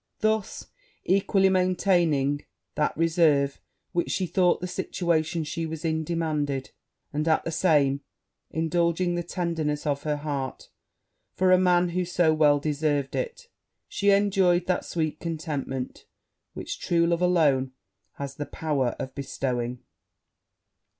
Thus equally maintaining that reserve which she thought the situation she was in demanded, and at the same time indulging the tenderness of her heart for a man who so well deserved it, she enjoyed that sweet contentment which true love alone has the power of bestowing.